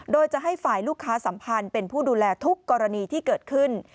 โดยจะให้ฝ่ายลูกค้าสัมพันธ์เป็นผู้ดูแลทุกกรณีที่เกิดขึ้น